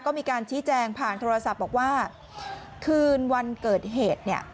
ก็มีการชี้แจงผ่านโทรศัพท์บอกว่าคืนวันเกิดเหตุเนี่ย